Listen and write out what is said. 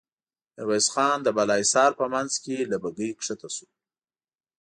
ميرويس خان د بالا حصار په مينځ کې له بګۍ کښته شو.